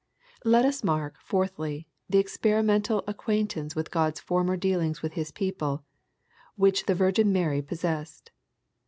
Let us mark, fourthly, the experiw^al acquaintance with GrocCs former dealings with His people^ which the Virgin Mary possessed.